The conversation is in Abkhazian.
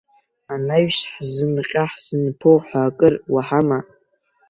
Анаҩс ҳзынҟьо-ҳзынԥо ҳәа акыр уаҳама?